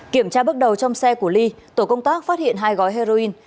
kiểm tra bước đầu trong xe của ly tổ công tác phát hiện hai gói heroin